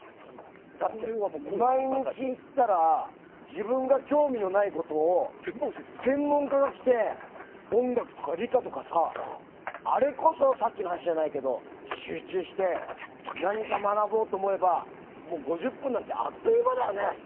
だって、毎日行ったら自分が興味がないことを専門家が来て、音楽とか理科とかあれこそさっきの話じゃないけど集中して何か学ぼうと思えば５０分なんてあっという間だよね。